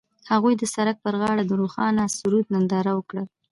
هغوی د سړک پر غاړه د روښانه سرود ننداره وکړه.